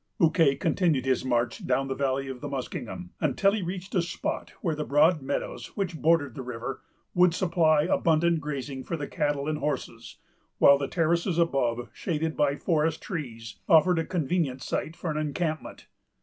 Bouquet continued his march down the valley of the Muskingum, until he reached a spot where the broad meadows, which bordered the river, would supply abundant grazing for the cattle and horses; while the terraces above, shaded by forest trees, offered a convenient site for an encampment.